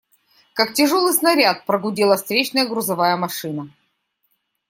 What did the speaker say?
Как тяжелый снаряд, прогудела встречная грузовая машина.